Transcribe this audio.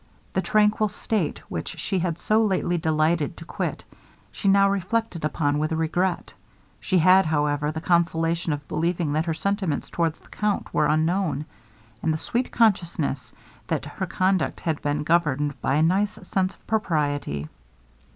The tranquil state which she had so lately delighted to quit, she now reflected upon with regret. She had, however, the consolation of believing that her sentiments towards the Count were unknown, and the sweet consciousness that her conduct had been governed by a nice sense of propriety.